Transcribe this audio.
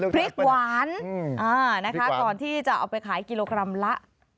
พริกหวานนะคะก่อนที่จะเอาไปขายกิโลกรัมละ